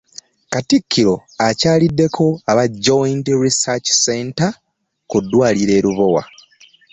Katikkiro akyaliddeko aba Joint Research Center ku ddwaliro e Lubowa